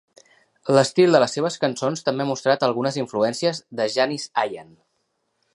L'estil de les seves cançons també ha mostrat algunes influències de Janis Ian.